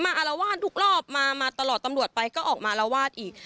อารวาสทุกรอบมามาตลอดตำรวจไปก็ออกมาละวาดอีก